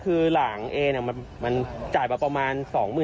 คือหลางเองมันจ่ายประมาณ๒๘๐๐๐